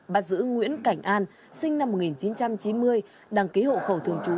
bà dữ nguyễn cảnh an sinh năm một nghìn chín trăm chín mươi đăng ký hộ khẩu thường trú